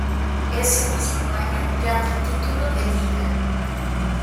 Ese mismo año gana el título de Liga.